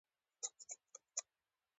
که ژوند باقي وو را ستنېږمه د خدای په امان